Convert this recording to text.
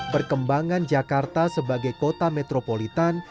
perkembangan jakarta sebagai kota metropolitan